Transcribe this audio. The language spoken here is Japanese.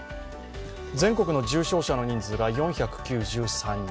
全国の重症者の人数が４９３人。